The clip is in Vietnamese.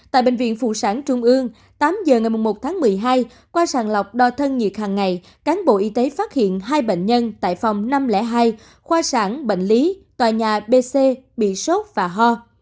tại bệnh viện phụ sản trung ương tám giờ ngày một tháng một mươi hai qua sàng lọc đo thân nhiệt hàng ngày cán bộ y tế phát hiện hai bệnh nhân tại phòng năm trăm linh hai khoa sản bệnh lý tòa nhà bc bị sốt và ho